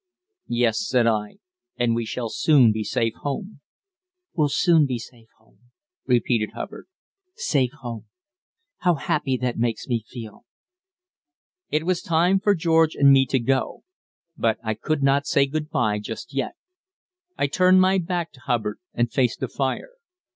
"Yes," said I, "and we shall soon be safe home." "We'll soon be safe home" repeated Hubbard "safe home. How happy that makes me feel!" It was time for George and me to go. But I could not say good bye just yet. I turned my back to Hubbard and faced the fire.